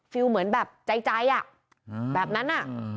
ฟิลเหมือนแบบใจอ่ะแบบนั้น